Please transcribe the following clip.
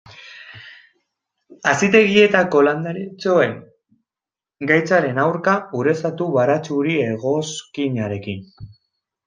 Hazitegietako landaretxoen gaitzaren aurka, ureztatu baratxuri-egoskinarekin.